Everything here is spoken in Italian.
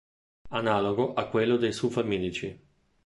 Analogo a quello dei sulfamidici.